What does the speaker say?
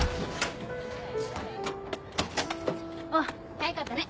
早かったね。